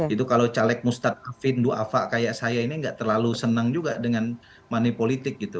itu kalau caleg mustad afin du'afa kayak saya ini nggak terlalu senang juga dengan money politik gitu